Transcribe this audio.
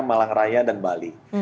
malang raya dan bali